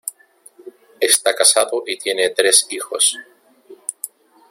Está casado y tiene tres hijos.